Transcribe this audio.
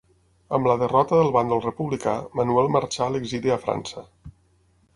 Amb la derrota del bàndol republicà, Manuel marxà a l'exili a França.